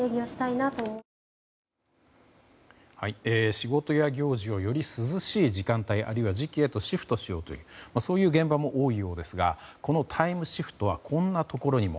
仕事や行事をより涼しい時間帯あるいは時期へとシフトしようというそういう現場も多いようですがこのタイムシフトはこんなところにも。